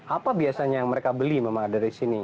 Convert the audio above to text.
apa biasanya yang mereka beli memang dari sini